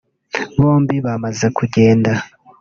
Bombi bamaze kugenda